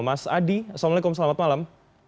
mas adi assalamualaikum selamat malam